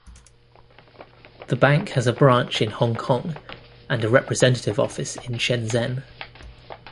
The bank has a branch in Hong Kong and a representative office in Shenzen.